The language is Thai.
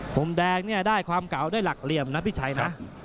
ผมแดงเนี่ยอากจะขาดได้หลักเหลี่ยมนะพี่ชาย